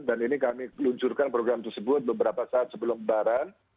dan ini kami luncurkan program tersebut beberapa saat sebelum kebaran